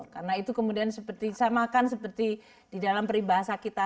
karena itu kemudian seperti saya makan seperti di dalam peribahasa kita